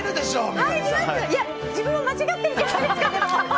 自分も間違ってるじゃないですか。